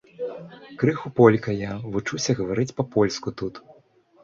Крыху полька я, вучуся гаварыць па-польску тут.